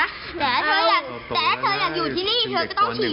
แต่เธออยากอยู่ที่นี่เธอก็ต้องฉี่